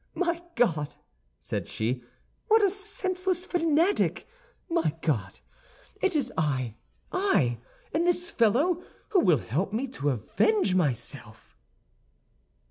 "My God," said she, "what a senseless fanatic! My God, it is I—I—and this fellow who will help me to avenge myself."